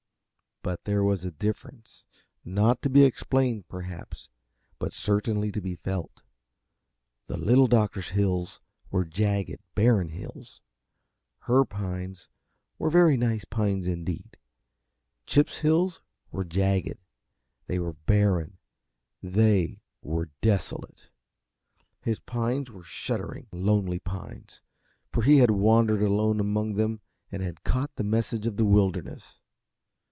But there was a difference, not to be explained, perhaps, but certainly to be felt. The Little Doctor's hills were jagged, barren hills; her pines were very nice pines indeed. Chip's hills were jagged, they were barren they were desolate; his pines were shuddering, lonely pines; for he had wandered alone among them and had caught the Message of the Wilderness.